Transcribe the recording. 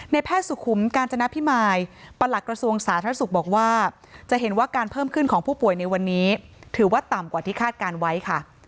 แพทย์สุขุมกาญจนพิมายประหลักกระทรวงสาธารณสุขบอกว่าจะเห็นว่าการเพิ่มขึ้นของผู้ป่วยในวันนี้ถือว่าต่ำกว่าที่คาดการณ์ไว้ค่ะ